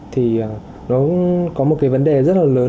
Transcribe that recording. thì nó có một cái vấn đề rất là lớn